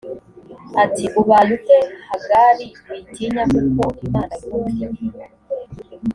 ati ubaye ute hagari witinya kuko imana yumviye